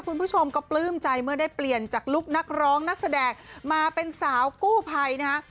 คุณผู้ชมก็ปลื้มใจเมื่อได้เปลี่ยนจากลุคนักร้องนักแสดงมาเป็นสาวกู้ภัยนะฮะ